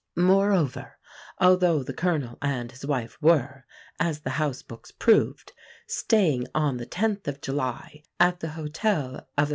Moreover, although the Colonel and his wife were, as the house books proved, staying on the 10th of July at the hotel of a M.